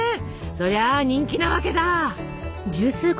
そりゃ人気なわけだ。